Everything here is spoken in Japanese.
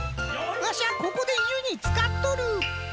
わしゃここでゆにつかっとる。